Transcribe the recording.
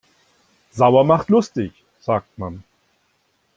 Sauer macht lustig, sagt man.